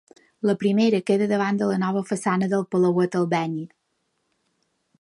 La primera queda davant de la nova façana del Palauet Albéniz.